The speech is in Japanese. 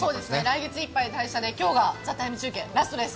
来月いっぱいで退社で、今日が「ＴＨＥＴＩＭＥ，」出演最後です。